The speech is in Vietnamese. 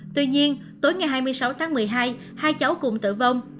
tuy nhiên tối ngày hai mươi sáu tháng một mươi hai hai cháu cũng tử vong